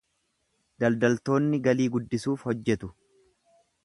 Daldaltoonni galii guddisuuf hojjatu.